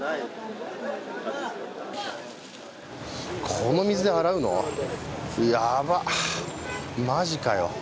この水で洗うの？やばっ、マジかよ。